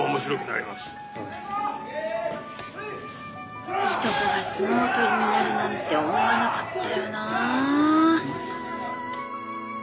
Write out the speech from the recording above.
いとこが相撲取りになるなんて思わなかったよなあ。